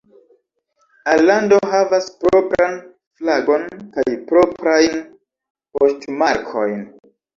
Alando havas propran flagon kaj proprajn poŝtmarkojn.